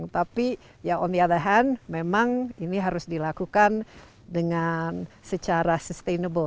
tapi ya on the hand memang ini harus dilakukan dengan secara sustainable